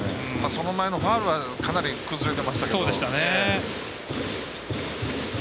その前のファウルはかなり崩れてましたけど。